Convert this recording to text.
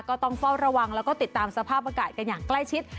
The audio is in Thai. ก็ต้องเฝ้าระวังแล้วก็ติดตามสภาพอากาศกันอย่างใกล้ชิด